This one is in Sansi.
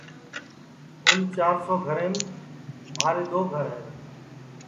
اُن چِار سو گھریم مھارے دؔو گھر ہے